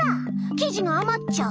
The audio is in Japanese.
生地があまっちゃう。